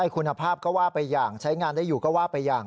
คุณภาพก็ว่าไปอย่างใช้งานได้อยู่ก็ว่าไปอย่าง